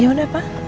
ya udah pak